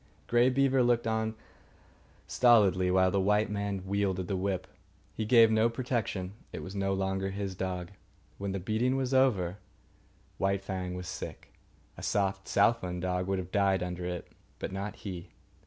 Grey Beaver looked on stolidly while the white man wielded the whip. He gave no protection. It was no longer his dog. When the beating was over White Fang was sick. A soft southland dog would have died under it, but not he.